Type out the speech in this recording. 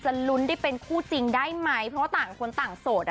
ลุ้นได้เป็นคู่จริงได้ไหมเพราะว่าต่างคนต่างโสดอ่ะ